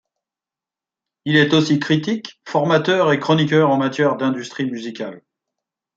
Il est aussi critique, formateur et chroniqueur en matière d'industrie musicale.